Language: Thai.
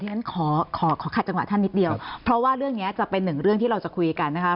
ฉันขอขอขัดจังหวะท่านนิดเดียวเพราะว่าเรื่องนี้จะเป็นหนึ่งเรื่องที่เราจะคุยกันนะคะ